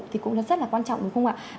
thì cũng rất là quan trọng đúng không ạ